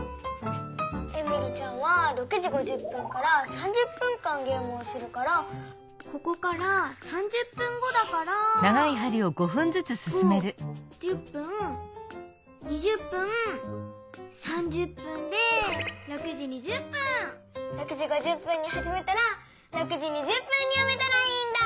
エミリちゃんは６時５０分から３０分間ゲームをするからここから３０分後だから５１０分２０分３０分で６時５０分にはじめたら６時２０分にやめたらいいんだ！